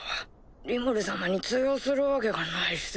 リムル様に通用するわけがないっすよ。